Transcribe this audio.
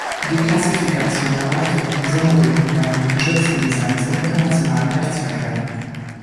Die Klassifikation erleichtert somit den Umgang mit geschützten Designs im internationalen Rechtsverkehr.